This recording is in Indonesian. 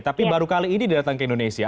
tapi baru kali ini datang ke indonesia